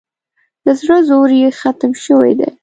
د زړه زور یې ختم شوی دی.